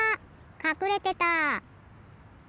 かくれてた！